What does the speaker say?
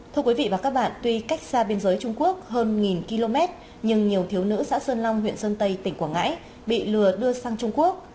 thưa quý vị và các bạn tuy cách xa biên giới trung quốc hơn km nhưng nhiều thiếu nữ xã sơn long huyện sơn tây tỉnh quảng ngãi bị lừa đưa sang trung quốc